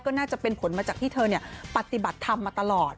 ก็น่าจะเป็นผลมาจากที่เธอปฏิบัติธรรมมาตลอด